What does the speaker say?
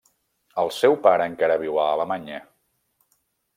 El seu pare encara viu a Alemanya.